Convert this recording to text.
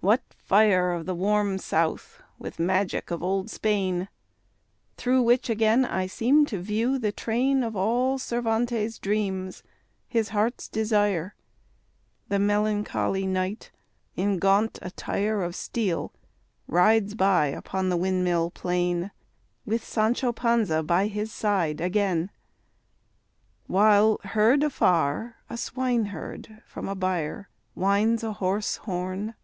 what fire Of the "warm South" with magic of old Spain! Through which again I seem to view the train Of all Cervantes' dreams, his heart's desire: The melancholy Knight, in gaunt attire Of steel rides by upon the windmill plain With Sancho Panza by his side again, While, heard afar, a swineherd from a byre Winds a hoarse horn.